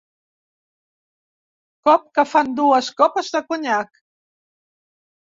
Cop que fan dues copes de conyac.